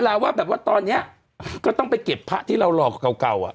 เลยบอกว่าตอนนี้ก็ต้องไปเก็บพระที่เรารอเก่าอ่ะ